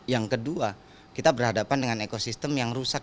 yang kedua kita berhadapan dengan ekosistem yang rusak